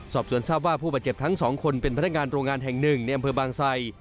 สอบส่วนทราบว่าผู้บาดเจ็บทั้งสองคนเป็นพนักงานโรงงานแห่งหนึ่งในอำเภอบางไซ